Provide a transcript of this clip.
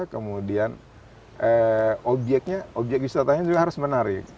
kemudian obyeknya obyek wisatanya juga harus menarik